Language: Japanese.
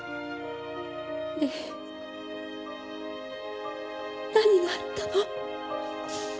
ねぇ何があったの？